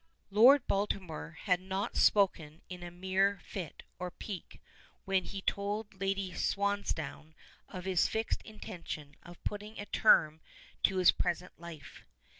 Lord Baltimore had not spoken in a mere fit or pique when he told Lady Swansdown of his fixed intention of putting a term to his present life.